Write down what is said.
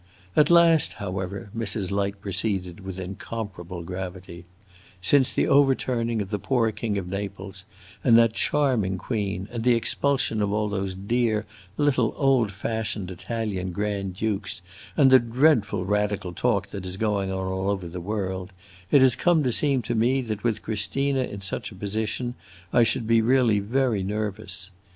At last, however," Mrs. Light proceeded with incomparable gravity, "since the overturning of the poor king of Naples and that charming queen, and the expulsion of all those dear little old fashioned Italian grand dukes, and the dreadful radical talk that is going on all over the world, it has come to seem to me that with Christina in such a position I should be really very nervous.